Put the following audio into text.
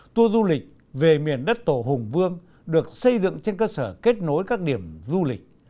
tour du lịch về miền đất tổ hùng vương được xây dựng trên cơ sở kết nối các điểm du lịch